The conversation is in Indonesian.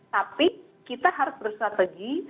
tapi kita harus bersrategi